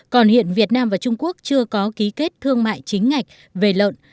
còn hiện việt nam và trung quốc chưa có ký kết thương mại chính ngạch về lợn